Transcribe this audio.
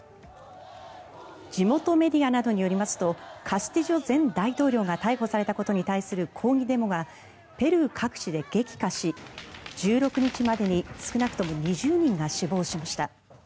地元メディアなどによりますとカスティジョ前大統領が逮捕されたことに対する抗議デモがペルー各地で激化し１６日までに少なくとも２０人が死亡しました。